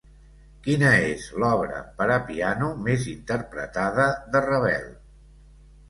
Quina és l'obra per a piano més interpretada de Ravel?